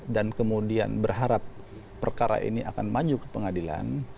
dan kemudian berharap perkara ini akan maju ke pengadilan